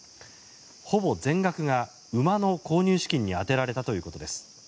ほぼ全額が馬の購入資金に充てられたということです。